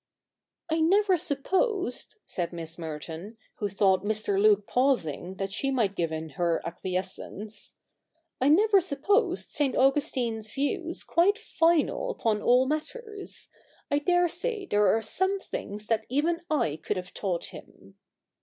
' I never supposed,' said Miss Merton, who thought Mr. Luke pausing that she might give in her acquiescence, ' I never supposed St. Augustine's views quite final upon all matters. I dare say there are some things that even I could have taught him.'